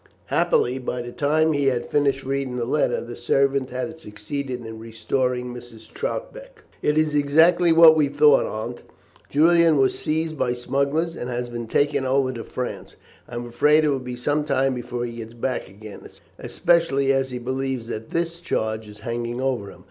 Happily, by the time he had finished reading the letter, the servant had succeeded in restoring Mrs. Troutbeck. "It is exactly what we thought, Aunt. Julian was seized by smugglers, and has been taken over to France, and I am afraid it will be some time before he gets back again, especially as he believes that this charge is hanging over him.